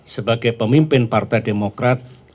sebagai pemimpin partai demokrat